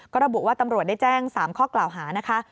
ก็ระบุว่าตำรวจได้แจ้ง๓ข้อกล่าวหานะคะ